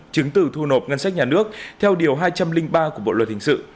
chứng từ thu nộp ngân sách nhà nước theo điều hai trăm linh ba của bộ luật hình sự